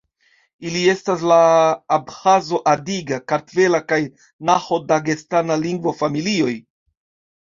Ili estas la Abĥazo-adiga, Kartvela, kaj Naĥo-Dagestana lingvo-familioj.